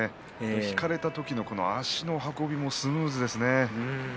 引かれた時の足の運びもスムーズですね。